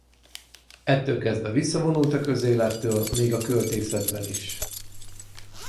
Ettől kezdve visszavonult a közélettől még a költészetében is.